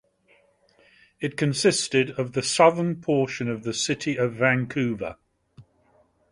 It consisted of the southern portion of the city of Vancouver.